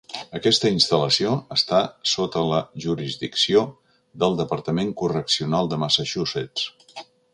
Aquesta instal·lació està sota la jurisdicció del Departament Correccional de Massachusetts.